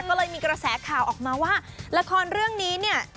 ก็เลยมีกระแสข่าวออกมาว่าละครเรื่องนี้เนี่ย